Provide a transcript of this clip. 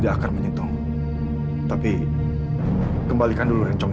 saya berpikir dia tidak ada di kamar